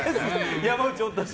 山内おったし。